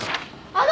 あの！